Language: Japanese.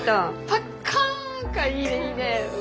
パッカーンかいいねいいね！